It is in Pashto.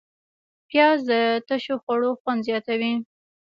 پیاز د تشو خوړو خوند زیاتوي